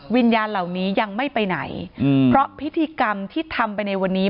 วิญญาณเหล่านี้ยังไม่ไปไหนเพราะพิธีกรรมที่ทำไปในวันนี้